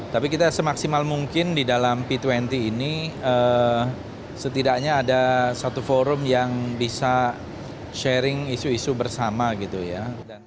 tapi kita semaksimal mungkin di dalam p dua puluh ini setidaknya ada satu forum yang bisa sharing isu isu bersama gitu ya